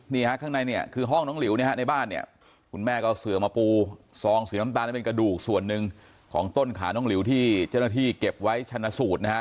นี่ฮะข้างในเนี่ยคือห้องน้องหลิวนะฮะในบ้านเนี่ยคุณแม่ก็เอาเสือมาปูซองสีน้ำตาลนั้นเป็นกระดูกส่วนหนึ่งของต้นขาน้องหลิวที่เจ้าหน้าที่เก็บไว้ชนะสูตรนะฮะ